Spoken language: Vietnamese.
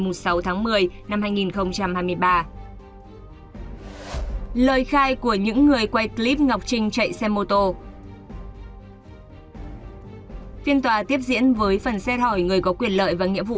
phiên tòa tiếp diễn với phần xét hỏi người có quyền lợi và nghĩa vụ